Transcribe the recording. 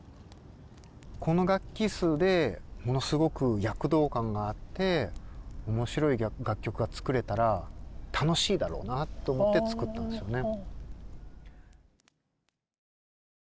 この楽器数でものすごく躍動感があって面白い楽曲が作れたら楽しいだろうなと思って作ったんですよね。